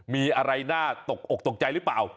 มีอะไรน่าตกอกตกใจหรือเปล่า